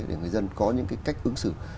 để người dân có những cái cách ứng xử